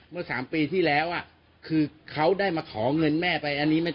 หรือภาษาพี่ภาษาก็ให้ส่งฉโนสให้กับเจ้าของพี่นิดเสริมสวยเนี่ยไป